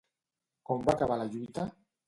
Com va acabar la lluita?